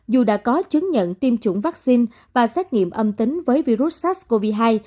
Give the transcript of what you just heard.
dù đã có chứng nhận tiêm chủng vaccine và xét nghiệm âm tính với virus sars cov hai